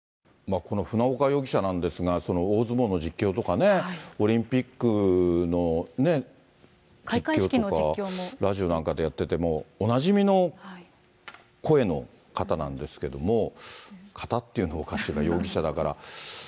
この船岡容疑者なんですが、大相撲の実況とかね、オリンピックの実況とか、ラジオなんかでやってて、もうおなじみの声の方なんですけれども、方っていうのもおかしいか、容疑者だから。